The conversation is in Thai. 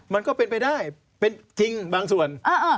มันก็เป็นไปได้เป็นจริงบางส่วน